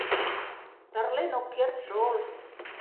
— Тырлен ок керт шол...